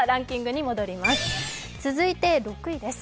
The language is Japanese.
続いて、６位です。